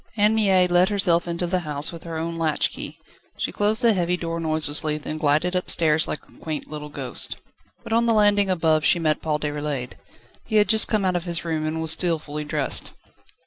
Anne Mie let herself into the house with her own latch key. She closed the heavy door noiselessly, then glided upstairs like a quaint little ghost. But on the landing above she met Paul Déroulède. He had just come out of his room, and was still fully dressed.